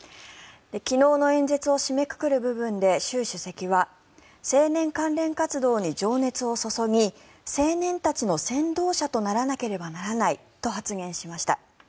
昨日の演説を締めくくる部分で習主席は青年関連活動に情熱を注ぎ青年たちの先導者とならなければならないと発言しました。